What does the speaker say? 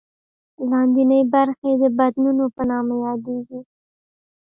لاندینۍ برخې یې د بطنونو په نامه یادېږي.